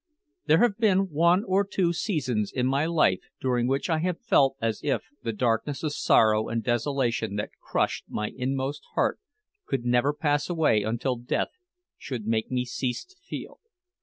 There have been one or two seasons in my life during which I have felt as if the darkness of sorrow and desolation that crushed my inmost heart could never pass away until death should make me cease to feel.